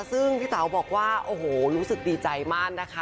ซึ่งพี่เต๋าบอกว่าโอ้โหรู้สึกดีใจมากนะคะ